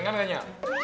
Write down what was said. ngegorengan kan ya